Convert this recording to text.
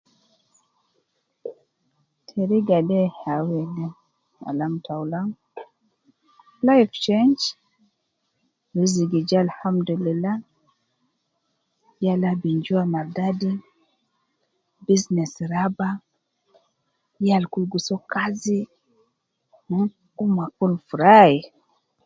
Teriga de ya wede ,Kalam taulan life change, rizigi ja alhamdulillah ,yal abin jua mardadi, business raba, yal kul gi soo kazi mh,umma kun furai